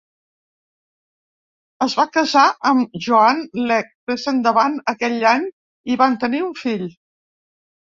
Es va casar amb Joanne Legg més endavant aquell any i van tenir un fill.